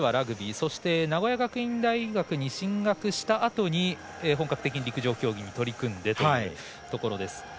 そして名古屋学院大学に進学したあとに本格的に陸上競技に取り組んでというところです。